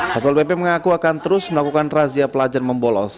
satpol pp mengaku akan terus melakukan razia pelajar membolos